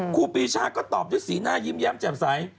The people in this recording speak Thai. ครูปีชาก็ตอบด้วยสีหน้ายิ้มแย้มแจ่มใส